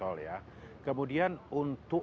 oleh proses kekuatannya